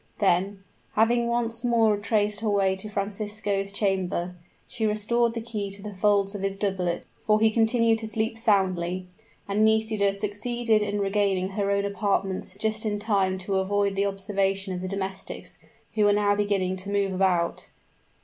Then, having once more retraced her way to Francisco's chamber, she restored the key to the folds of his doublet for he continued to sleep soundly; and Nisida succeeded in regaining her own apartments just in time to avoid the observation of the domestics, who were now beginning to move about.